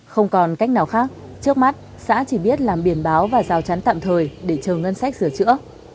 không còn cách nào khác trước mắt xã chỉ biết làm biển báo và rào chắn tạm thời để chờ ngân sách sửa chữa